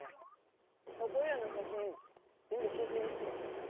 そこいらの写真全部修整ですよ。